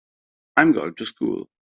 I'm going to school.